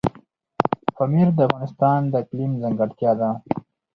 پامیر د افغانستان د اقلیم ځانګړتیا ده.